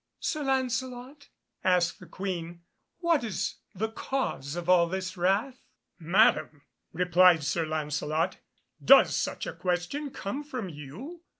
"Sir Lancelot," asked the Queen, "what is the cause of all this wrath?" "Madam," replied Sir Lancelot, "does such a question come from you?